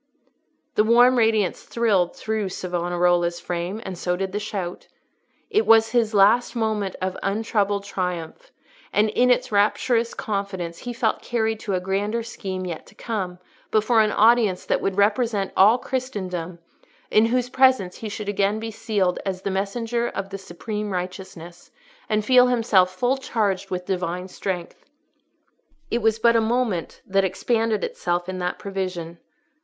The warm radiance thrilled through Savonarola's frame, and so did the shout. It was his last moment of untroubled triumph, and in its rapturous confidence he felt carried to a grander scene yet to come, before an audience that would represent all Christendom, in whose presence he should again be sealed as the messenger of the supreme righteousness, and feel himself full charged with Divine strength. It was but a moment that expanded itself in that prevision.